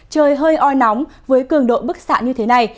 trời hơi oi nóng với cường độ bức xạ như thế này